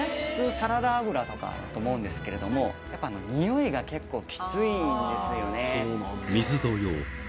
普通サラダ油とかだと思うんですけれどもやっぱにおいが結構きついんですよね。